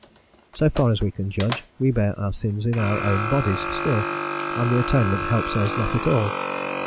So far as we can judge, we bear our sins in our own bodies still, and the Atonement helps us not at all.